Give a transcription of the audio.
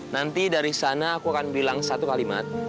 nanti dari sana aku akan bilang satu kalimat